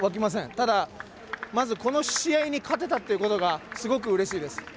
ただ、まずこの試合に勝てたということがすごくうれしいです。